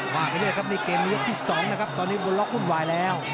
วางไปด้วยครับในเกมยกที่สองนะครับตอนนี้บล็อกหุ้นวายแล้ว